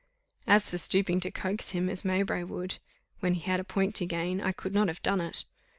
As for stooping to coax him as Mowbray would, when he had a point to gain, I could not have done it.